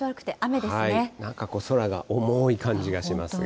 なんかこう、空が重い感じがしますが。